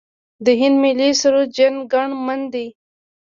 د هند ملي سرود جن ګن من دی.